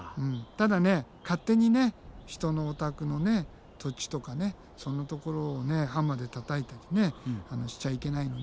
ただね勝手に人のお宅の土地とかそんなところをハンマーでたたいたりねしちゃいけないので。